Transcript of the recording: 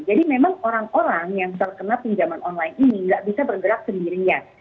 jadi memang orang orang yang terkena pinjaman online ini nggak bisa bergerak sendirinya